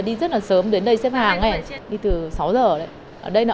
đi rất là sớm đến đây xếp hàng đi từ sáu giờ